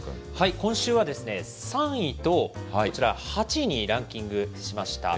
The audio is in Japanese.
今週はですね、３位とこちら８位にランキングしました。